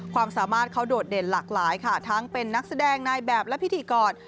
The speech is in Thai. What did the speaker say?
ความสามารถเขาโดดเด่นหลากหลายค่ะทั้งเป็นนักแสดงนายแบบและพิธีกร